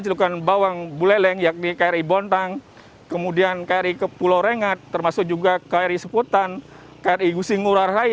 cilukan bawang buleleng yakni kri bontang kemudian kri ke pulau rengat termasuk juga kri seputan kri gusingurahaya